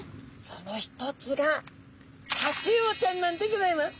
その一つがタチウオちゃんなんでギョざいます！